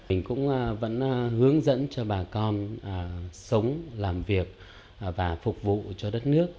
mình cũng vẫn hướng dẫn cho bà con sống làm việc và phục vụ cho đất nước